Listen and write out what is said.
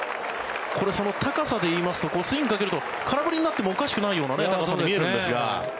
これ、高さで言いますとスイングをかけると空振りになってもおかしくないような高さに見えるんですが。